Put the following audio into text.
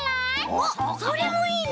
おっそれもいいね。